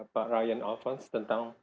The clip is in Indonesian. pak ryan alphonse tentang